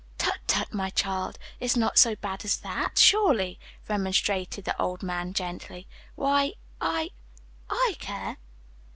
"Tut, tut, my child, it's not so bad as that, surely," remonstrated the old man, gently. "Why, I I care."